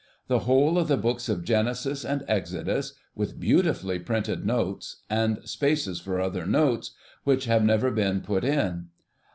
The whole of the Books of Genesis and Exodus, with beautifully printed notes, and spaces for other notes, which have never been put in.